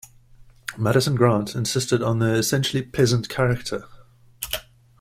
Madison Grant, insisted on their "essentially peasant character".